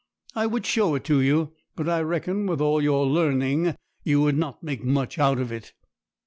I would show it to you; but I reckon, with all your learning, you would not make much out of it.'